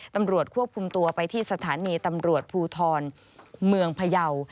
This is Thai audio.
ตำรวจควบคุมตัวไปที่สถานีตำรวจภูทรเมืองพยาว